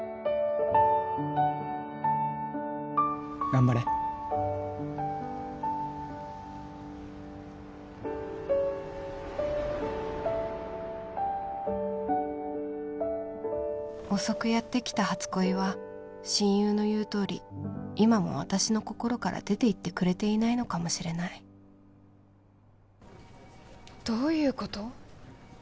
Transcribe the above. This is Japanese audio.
頑張れ遅くやってきた初恋は親友の言うとおり今も私の心から出て行ってくれていないのかもしれないどういうこと？